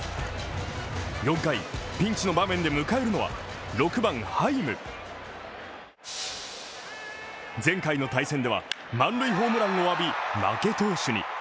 ４回、ピンチの場面で迎えるのは６番ハイム前回の対戦では満塁ホームランを浴び、負け投手に。